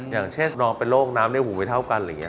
อย่างเช่นน้องเป็นโรคน้ำในหูไม่เท่ากันอะไรอย่างนี้